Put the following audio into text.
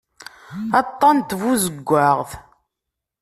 Aṭṭan n tbuzeggaɣt.